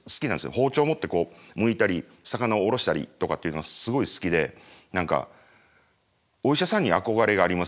包丁持ってむいたり魚をおろしたりとかっていうのがすごい好きで何かお医者さんに憧れがあります。